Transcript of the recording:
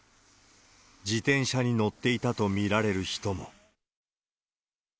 自転車に乗っていたと見られる人も。